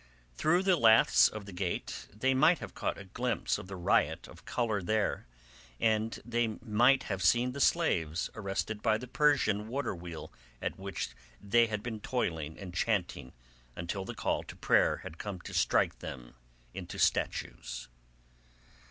Through the laths of the gate they might have caught a glimpse of the riot of colour there, and they might have seen the slaves arrested by the Persian waterwheel at which they had been toiling and chanting until the call to prayer had come to strike them into statues.